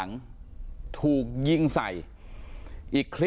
ตอนนี้ก็เปลี่ยนแบบนี้แหละ